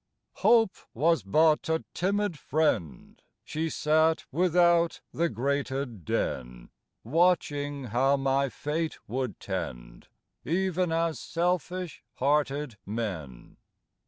Hope Was but a timid friend; She sat without the grated den, Watching how my fate would tend, Even as selfish hearted men.